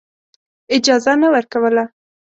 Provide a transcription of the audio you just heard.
اجازه نه ورکوله.